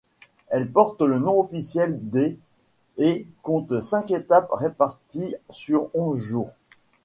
Elle porte le nom officiel d' et compte cinq étapes réparties sur onze jours.